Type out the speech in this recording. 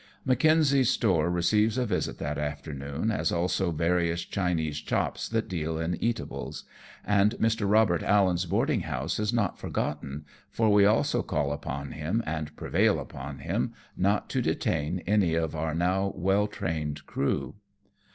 Makenzie's store receives a visit that afternoon, as also various Chinese chops that deal in eatables ; and Mr. Robert Allen's boarding house is not forgotten, for we also call upon him, and prevail upon him not to detain any of our now well trained crew.